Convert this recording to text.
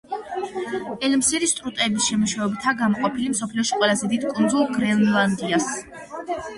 ელსმირი სრუტეების მეშვეობითაა გამოყოფილი, მსოფლიოში ყველაზე დიდ კუნძულ გრენლანდიას.